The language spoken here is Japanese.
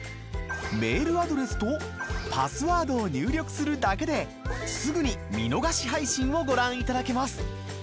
メールアドレスとパスワードを入力するだけですぐに見逃し配信をご覧いただけます。